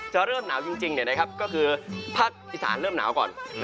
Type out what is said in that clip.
จะเริ่มหนาวจริงก็คือภาคอีสานเริ่มหนาวก่อน